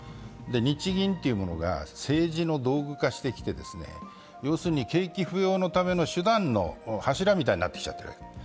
日銀が政治の道具化してきて、景気浮揚のための手段の柱みたいになってきちゃっている。